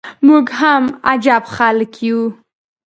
موږ هم عجبه خلک يو.